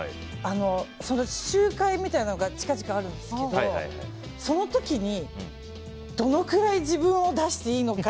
その集会みたいなのが近々あるんですけどその時に、どのくらい自分を出していいのか。